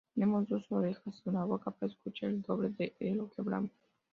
Tenemos dos orejas y una boca para escuchar el doble de lo que hablamos